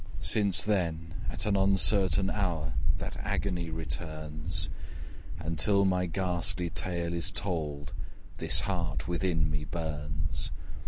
Since then, at an uncertain hour, That agony returns: And till my ghastly tale is told, This heart within me burns.